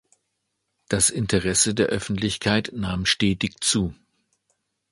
Das Interesse der Öffentlichkeit nahm stetig zu.